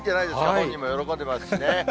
本人も喜んでますしね。